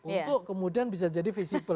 untuk kemudian bisa jadi visible